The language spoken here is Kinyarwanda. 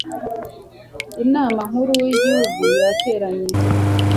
inama nkuru y'igihugu yateranye